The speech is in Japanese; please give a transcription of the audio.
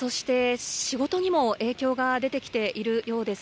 そして仕事にも影響が出てきているようです。